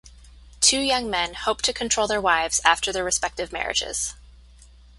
Two young men hope to control their wives after their respective marriages.